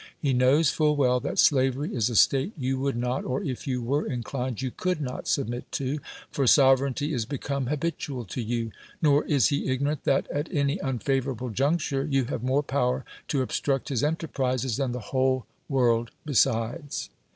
He Jaiows full well that slavery is a state you would not, or, if you were inclined, you could not suhmit to , for sovereiirnty is hecome hahitual to you. Xor is he i^srnorant that, at any unfavorable juncture, you have more ])ower to obstruct his (uiterprises than the whole world besides.